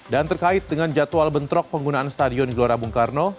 dan terkait dengan jadwal bentrok penggunaan stadion gelora bung karno